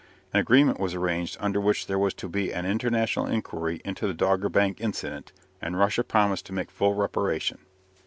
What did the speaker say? An agreement was arranged under which there was to be an international inquiry into the Dogger Bank incident, and Russia promised to make full reparation.